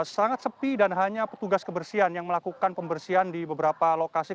sangat sepi dan hanya petugas kebersihan yang melakukan pembersihan di beberapa lokasi